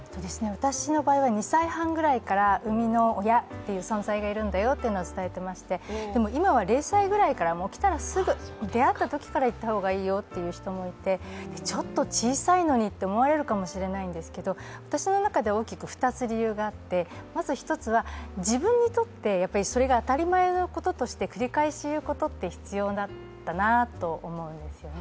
私の場合は２歳半ぐらいから生みの親という存在がいるんだよと伝えてましてでも、今は０歳くらいから来たらすぐ出会ったときから言った方がいいよという人もいてちょっと小さいのにって思われるかもしれないんですけど私の中で大きく２つ理由があって一つは自分にとってそれが当たり前のこととして繰り返し言うことって必要だったなと思うんですよね。